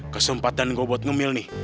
kesempatan gue buat ngemil nih